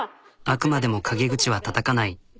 あくまでも陰口はたたかない。